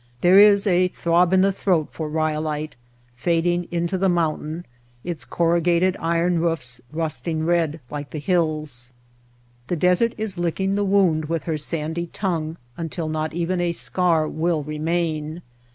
There is a throb in the throat for Ryolite, fading into the mountain, its corru gated iron roofs rusting red like the hills. The desert is licking the wound with her sandy tongue until not even a scar will remain.